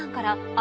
あ。